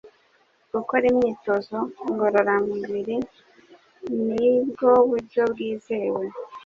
gukora imyitozo ngororamubiri nibwo buryo bwizewe